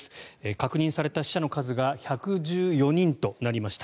確認された死者の数が１１４人となりました。